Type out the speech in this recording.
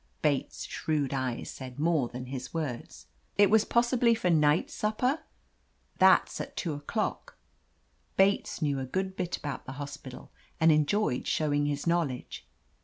Bates' shrewd eyes said more than his words. It was, possibly, for night supper?" That's at two o'clock." Bates knew a good bit about the hospital, and enjoyed showing his knowledge.